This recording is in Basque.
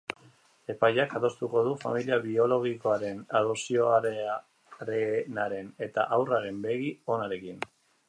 Epaileak adostuko du familia biologikoaren, adopzioarenaren eta haurraren begi onarekin.